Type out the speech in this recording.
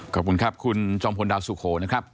ขอบคุณครับคุณจอมพลดาวสุโขนะครับ